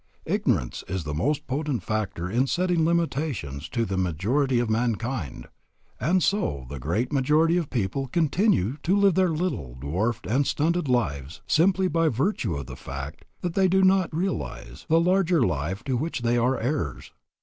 Ignorance is the most potent factor in setting limitations to the majority of mankind; and so the great majority of people continue to live their little, dwarfed, and stunted lives simply by virtue of the fact that they do not realize the larger life to which they are heirs.